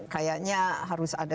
kayaknya harus ada